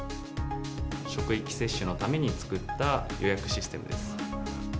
職域接種のために作った予約システムです。